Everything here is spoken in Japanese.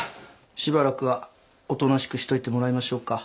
しばらくはおとなしくしといてもらいましょうか。